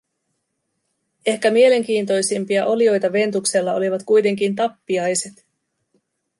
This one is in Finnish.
Ehkä mielenkiintoisimpia olioita Ventuksella olivat kuitenkin tappiaiset.